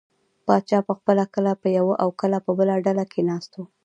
پاچا به پخپله کله په یوه او کله بله ډله کې ناست و.